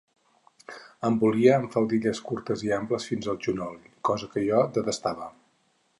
Em volia amb faldilles curtes i amples fins al genoll, cosa que jo detestava.